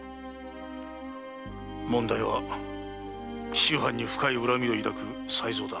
問題は紀州藩に深い恨みを抱く才蔵だ。